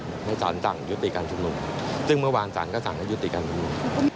เพราะสารสั่งยุติการชุมหนุ่มซึ่งเมื่อวานสารก็สั่งอยุติการชุมหนุ่ม